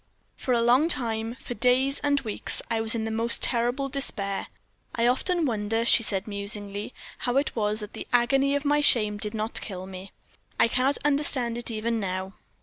For a long time for days and weeks I was in the most terrible despair. I often wonder," she said, musingly, "how it was that the agony of my shame did not kill me I cannot understand it even now.